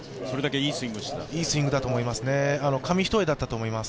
いいスイングだったと思います。